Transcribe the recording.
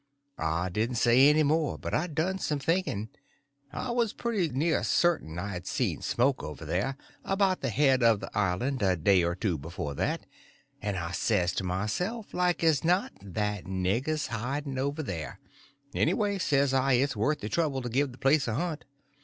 I didn't say any more, but I done some thinking. I was pretty near certain I'd seen smoke over there, about the head of the island, a day or two before that, so I says to myself, like as not that nigger's hiding over there; anyway, says I, it's worth the trouble to give the place a hunt.